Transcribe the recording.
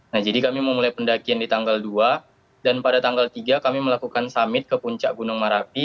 nah jadi kami memulai pendakian di tanggal dua dan pada tanggal tiga kami melakukan summit ke puncak gunung merapi